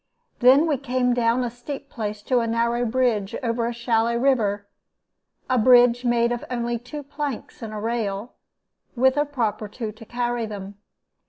Then we came down a steep place to a narrow bridge across a shallow river abridge made of only two planks and a rail, with a prop or two to carry them.